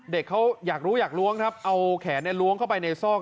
เด็กเขาอยากรู้อยากล้วงครับเอาแขนล้วงเข้าไปในซอก